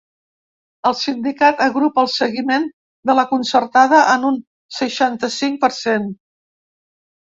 El sindicat agrupa el seguiment de la concertada en un seixanta-cinc per cent.